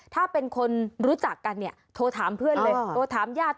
ถ้าเป็นคนรู้จักกันเนี่ยโทรถามเพื่อนเลยโทรถามญาติ